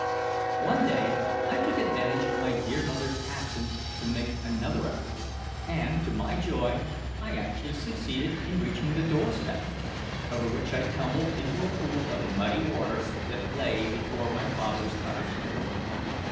One day I took advantage of my dear mother's absence to make another effort; and, to my joy, I actually succeeded in reaching the doorstep, over which I tumbled into a pool of muddy water that lay before my father's cottage door.